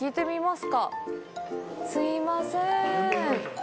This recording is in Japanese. すいませーん。